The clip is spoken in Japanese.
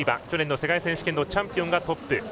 去年の世界選手権のチャンピオンがトップ。